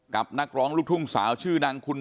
นักร้องลูกทุ่งสาวชื่อดังคุณ